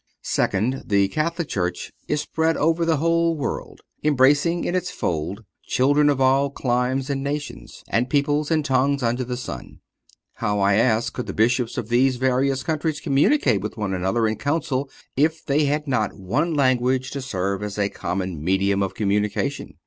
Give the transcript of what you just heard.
Second—The Catholic Church is spread over the whole world, embracing in its fold children of all climes and nations, and peoples and tongues under the sun. How, I ask, could the Bishops of these various countries communicate with one another in council if they had not one language to serve as a common medium of communication?